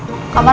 balik ke kamar